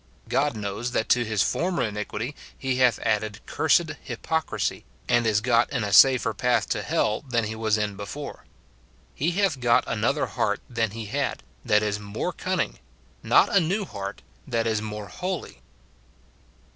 God knows that to his former iniquity he hath added cursed hypocrisy, and is got in a safer path to hell than he was in before. He hath got another heart than he had, that is more cunning ; not a new heart, that is more holy.